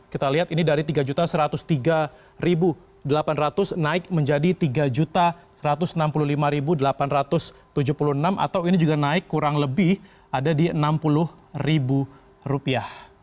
kita lihat ini dari tiga satu ratus tiga delapan ratus naik menjadi tiga satu ratus enam puluh lima delapan ratus tujuh puluh enam atau ini juga naik kurang lebih ada di enam puluh rupiah